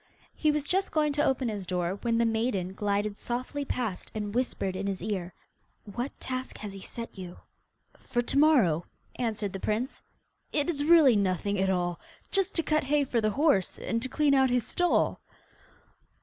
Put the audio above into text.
He was just going to open his door, when the maiden glided softly past and whispered in his ear: 'What task has he set you?' 'For to morrow,' answered the prince, 'it is really nothing at all! Just to cut hay for the horse, and to clean out his stall!